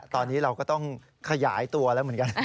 ตอนนี้เราก็ต้องขยายตัวแล้วเหมือนกัน